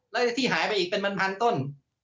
และที่หายไปอีกเป็นบรรพันธุ์ต้น